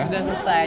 sudah selesai ya